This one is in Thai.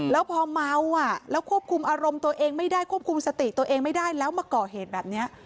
แล้วพอเมาอ่ะแล้วควบคุมอารมณ์ตัวเองไม่ได้ควบคุมสติตัวเองไม่ได้แล้วมาก่อเหตุแบบนี้